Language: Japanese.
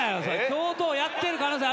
教頭やってる可能性ある。